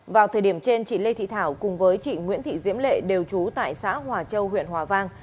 vào thời điểm trên chị lê thị thảo cùng với chị nguyễn thị diễm lệ đều trú tại xã hòa châu huyện hòa vang